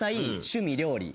趣味料理。